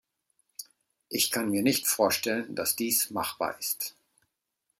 Ich kann mir nicht vorstellen, dass dies machbar ist.